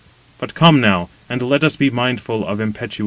But come now, and let us be mindful of impetuous valour."